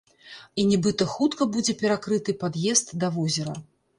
І нібыта хутка будзе перакрыты пад'езд да возера.